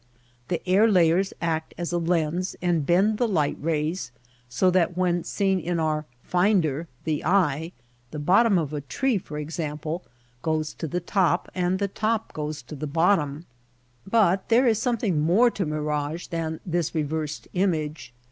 The air layers act as a lens and bend the light rays so that when seen in our ^^ finder "— the eye — the bottom of a tree, for example, goes to the top and the top goes to the bottom. ILLUSIONS 119 But there is something more to mirage than this reversed image.